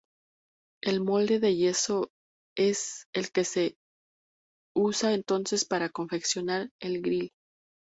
El molde de yeso es el que se usa entonces para confeccionar el grill.